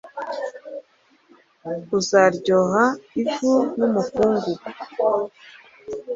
Uzaryoha ivu n'umukungugu